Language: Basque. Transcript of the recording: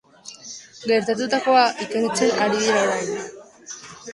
Gertatutakoa ikertzen ari dira orain.